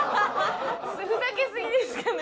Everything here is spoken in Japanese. ふざけすぎですかね？